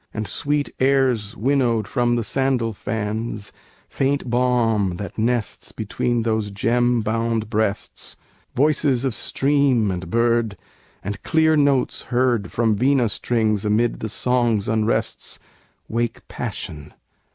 And sweet airs winnowed from the sandal fans, Faint balm that nests between those gem bound breasts, Voices of stream and bird, and clear notes heard From vina strings amid the songs' unrests, Wake passion.